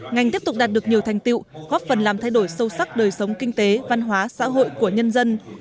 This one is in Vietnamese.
ngành tiếp tục đạt được nhiều thành tiệu góp phần làm thay đổi sâu sắc đời sống kinh tế văn hóa xã hội của nhân dân